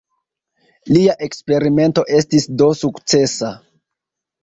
Lia eksperimento estis do sukcesa.